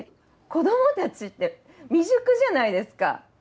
子どもたちって未熟じゃないですか。